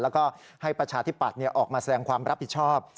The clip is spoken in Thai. แล้วก็ให้ประชาธิปัตย์ออกมาแสดงความรับผิดชอบ